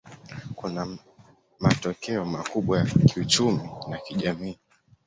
Kuna matokeo makubwa ya kiuchumi na kijamii.